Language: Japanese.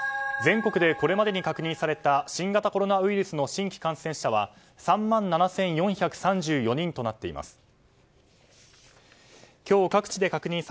全国でこれまでに確認された新型コロナウイルスの新規感染者は３万７４３４人となっています。